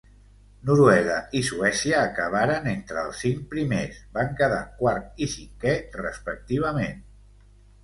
Noruega i Suècia acabaren entre els cinc primers: van quedar quart i cinquè respectivament.